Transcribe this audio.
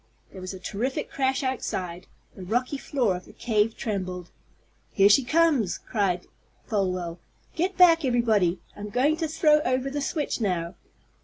There was a terrific crash outside. The rocky floor of the cave trembled. "Here she comes!" cried Folwell. "Get back, everybody! I'm going to throw over the switch now!"